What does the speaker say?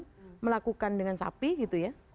dia melakukan dengan sapi gitu ya